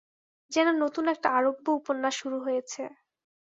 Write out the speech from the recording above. যেন নতুন একটা আরব্য উপন্যাস শুরু হয়েছে।